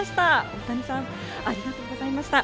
大谷さんありがとうございました。